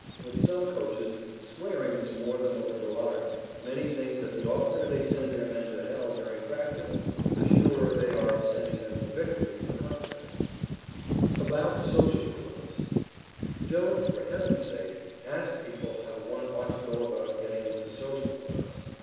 With some Coaches, swearing is more than a liberal art; many think that the oftener they send their men to Hell during practice, the surer they are of sending them to Victory in the contest. [Sidenote: ABOUT SOCIAL CLUBS] Don't, for Heaven's sake, ask people how one ought to go about getting into Social clubs.